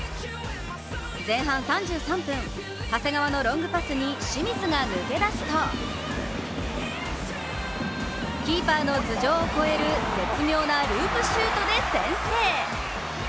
前半３３分、長谷川のロングパスに清水が抜け出すとキーパーの頭上を越える絶妙なループシュートで先制。